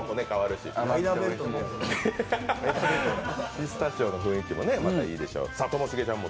ピスタチオの雰囲気も、またいいでしょう。